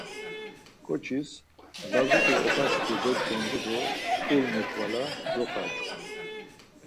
Ǩoçis lazut̆i oxaçku goç̌ǩondu do kurmi xvala doxaçku.